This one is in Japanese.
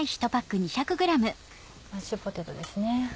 マッシュポテトです。